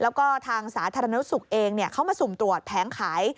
แล้วก็ทางสาธารณสุขเองเขามาสุ่มตรวจแผงขาย